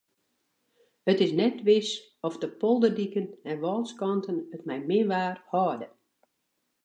It is net wis oft de polderdiken en wâlskanten it mei min waar hâlde.